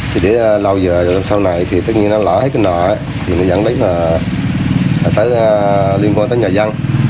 thì để lâu giờ sau này thì tất nhiên nó lỡ hết cái nợ thì nó dẫn đến là phải liên quan tới nhà dân